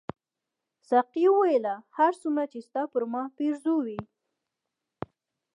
ساقي وویل هر څومره چې ستا پر ما پیرزو وې.